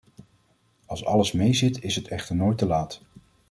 Als alles meezit is het echter nooit te laat.